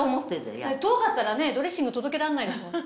遠かったらねドレッシング届けらんないですもんね。